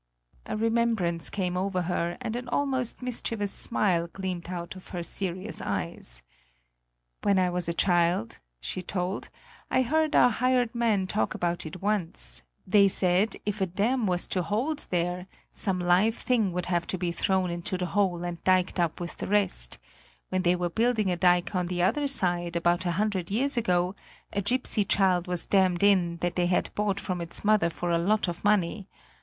A remembrance came over her and an almost mischievous smile gleamed out of her serious eyes: "When I was a child," she told, "I heard our hired men talk about it once; they said, if a dam was to hold there, some live thing would have to be thrown into the hole and diked up with the rest; when they were building a dike on the other side, about a hundred years ago, a gipsy child was dammed in that they had bought from its mother for a lot of money.